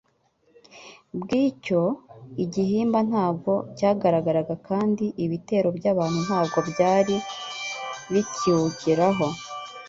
Bwicyo igihimba ntabwo cyagaragaraga kandi ibitero by'abantu ntabwo byari bikiwugeraho.